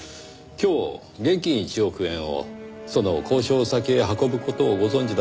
今日現金１億円をその交渉先へ運ぶ事をご存じだった方は？